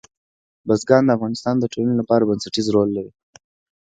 بزګان د افغانستان د ټولنې لپاره بنسټيز رول لري.